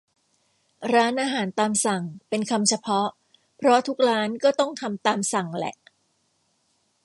ร้านอาหารตามสั่ง เป็นคำเฉพาะ เพราะทุกร้านก็ต้องทำตามสั่งแหละ